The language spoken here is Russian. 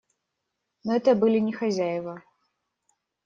Но это были не хозяева.